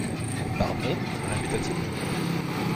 «Pardon,» répéta-t-il.